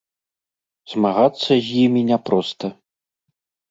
Змагацца з імі няпроста.